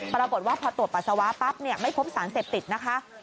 ปรากฏว่าพอตรวจปัสสาวะปั๊บไม่พบสารเสพติดนะคะ